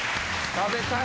食べたい。